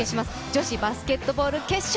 女子バスケットボール決勝。